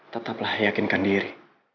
tetaplah yakinkan diri